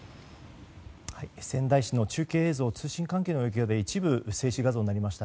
仙台市の中継映像通信関係の影響で一部、静止画像になりました。